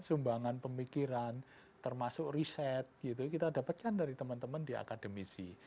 sumbangan pemikiran termasuk riset gitu kita dapatkan dari teman teman di akademisi